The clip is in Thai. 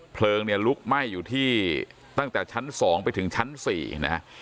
เพลิงเนี่ยลุกไหม้อยู่ที่ตั้งแต่ชั้น๒ไปถึงชั้น๔นะฮะ